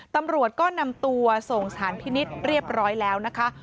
ตำรวจก็นำตัวส่งสารพินิษฐ์เรียบร้อยแล้วนะคะ